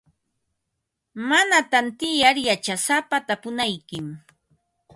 Mana tantiyar yachasapata tapunaykim.